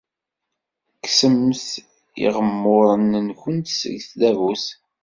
Kksemt iɣemmuren-nwent seg tdabut.